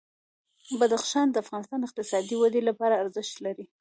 بدخشان د افغانستان د اقتصادي ودې لپاره ارزښت لري.